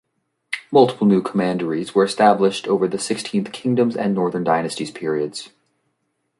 Multiple new commanderies were established over the Sixteen Kingdoms and Northern Dynasties periods.